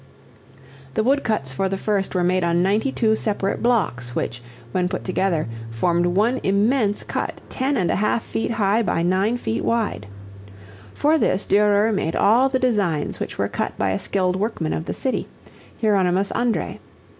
The wood cuts for the first were made on ninety two separate blocks which, when put together, formed one immense cut ten and a half feet high by nine feet wide. For this Durer made all the designs which were cut by a skilled workman of the city, Hieronymus Andræ.